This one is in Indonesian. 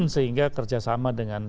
sehingga kerjasama dengan